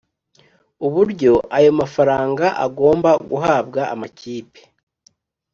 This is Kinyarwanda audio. uburyo ayo mafaranga agomba guhabwa amakipe